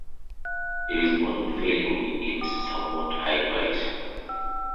Its only failing is its somewhat high price!